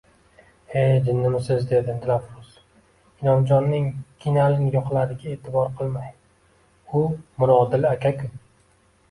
E, jinnimisiz, dedi Dilafruz inomjonning ginali nigohlariga e`tibor qilmay, U Mirodil aka-ku